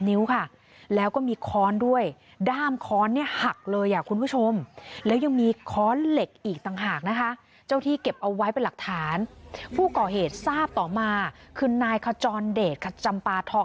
เอาไว้เป็นหลักฐานผู้ก่อเหตุทราบต่อมาคือนายขจรเดชขจำปลาทอง